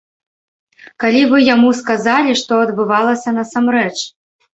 Калі вы яму сказалі, што адбывалася насамрэч?